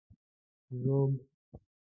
ږوب